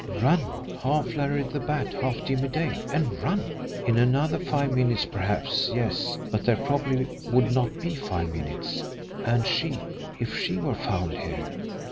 Run! Half Larry the Bat, half Jimmie Dale and run! In another five minutes, perhaps yes. But there probably would not be five minutes and she if she were found here!